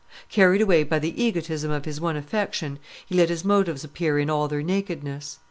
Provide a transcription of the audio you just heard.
Carried away by the egotism of his one affection, he let his motives appear in all their nakedness.